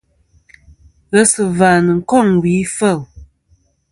Ghesɨ̀và nɨn kôŋ wì ifêl.